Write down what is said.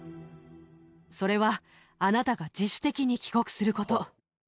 それは、あなたが自主的に帰国すること。